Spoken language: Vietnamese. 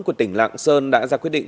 của tỉnh lạng sơn đã ra quyết định